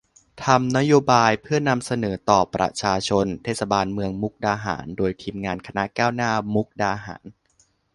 ทำนโยบายเพื่อนำเสนอต่อประชาชนเทศบาลเมืองมุกดาหาร โดยทีมงานคณะก้าวหน้ามุกดาหาร